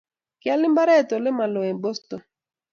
kial imbaret ole malo eng Boston